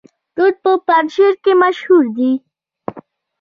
توت په پنجشیر کې مشهور دي